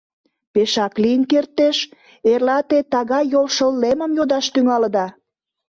— Пешак лийын кертеш, эрла те тага йол шыл лемым йодаш тӱҥалыда.